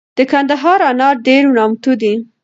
دکندهار انار دیر نامتو دي